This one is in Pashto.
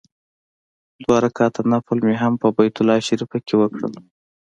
دوه رکعته نفل مې هم په بیت الله شریفه کې وکړ.